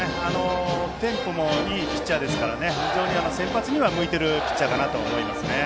テンポもいいピッチャーですから非常に先発に向いているピッチャーかなと思いますね。